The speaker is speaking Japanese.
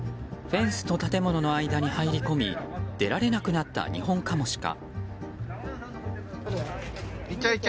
フェンスと建物の間に入り込み出られなくなったニホンカモシカ。